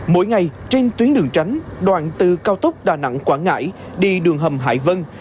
mỗi ngày trên tuyến đường tránh đoạn từ cao tốc đà nẵng quảng ngãi đi đường hầm hải vân